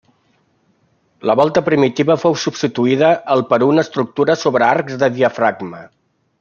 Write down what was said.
La volta primitiva fou substituïda al per una estructura sobre arcs de diafragma.